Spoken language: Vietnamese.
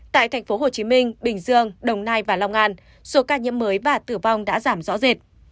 tại tp hcm bình dương đồng nai và long an số ca nhiễm mới và tử vong đã giảm rõ rệt